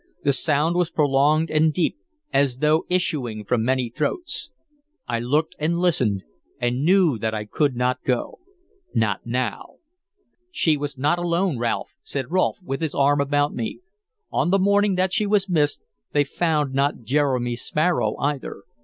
The sound was prolonged and deep, as though issuing from many throats. I looked and listened, and knew that I could not go, not now. "She was not alone, Ralph," said Rolfe, with his arm about me. "On the morning that she was missed, they found not Jeremy Sparrow either.